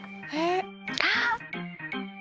あっ！